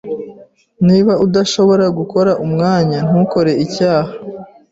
Niba udashobora gukora umwanya, ntukore icyaha.